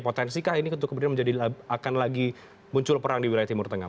potensi kah ini untuk kemudian menjadi akan lagi muncul perang di wilayah timur tengah